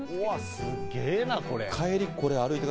すっげーな、これ。